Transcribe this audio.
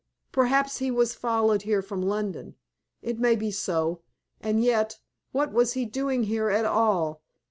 Perhaps he was followed here from London. It may be so. And yet, what was he doing here at all?